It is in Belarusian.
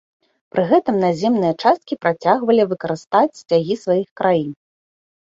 Пры гэтым наземныя часткі працягвалі выкарыстаць сцягі сваіх краін.